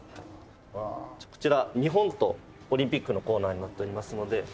こちら日本とオリンピックのコーナーになっておりますので。